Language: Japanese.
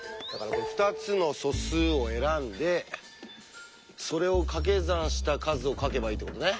２つの素数を選んでそれをかけ算した数を書けばいいってことね。